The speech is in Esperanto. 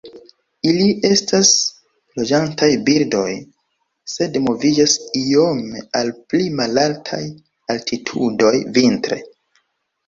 Ili estas loĝantaj birdoj, sed moviĝas iome al pli malaltaj altitudoj vintre.